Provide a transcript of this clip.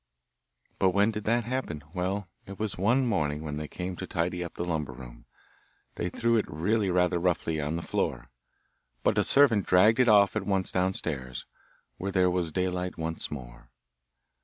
But when did that happen? Well, it was one morning when they came to tidy up the lumber room; they threw it really rather roughly on the floor, but a servant dragged it off at once downstairs, where there was daylight once more.